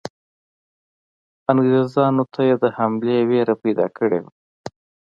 انګریزانو ته یې د حملې وېره پیدا کړې وه.